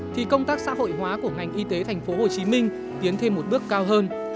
thì công tác xã hội hóa của ngành y tế thành phố hồ chí minh tiến thêm một bước cao hơn